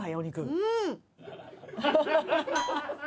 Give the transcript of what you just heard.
うん！